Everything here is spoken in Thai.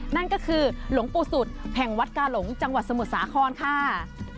นั่นก็คือหลวงปู่สุดแห่งวัดกาหลงจังหวัดสมุทรสาครค่ะ